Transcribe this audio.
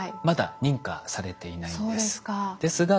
まだ認可されていないんです。